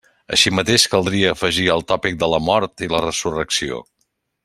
Així mateix, caldria afegir el tòpic de la mort i la resurrecció.